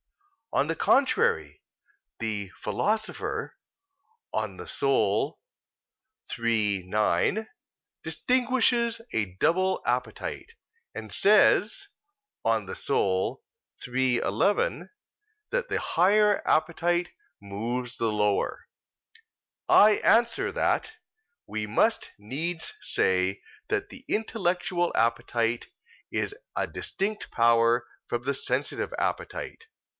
On the contrary, The Philosopher (De Anima iii, 9) distinguishes a double appetite, and says (De Anima iii, 11) that the higher appetite moves the lower. I answer that, We must needs say that the intellectual appetite is a distinct power from the sensitive appetite.